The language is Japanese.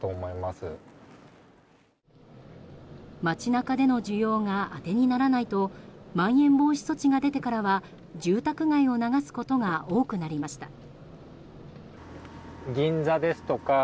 街中での需要が当てにならないとまん延防止措置が出てからは住宅街を流すことが多くなりました。